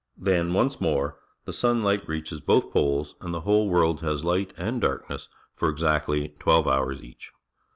Then once more the sunlight reaches both poles, and the whole world has light and darkness for exactly tw'elve h ours ea ch.